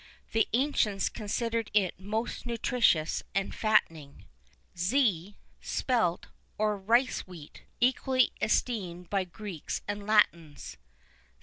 The ancients considered it most nutritious and fattening.[II 18] Zea, spelt, or rice wheat,[II 19] equally esteemed by Greeks and Latins.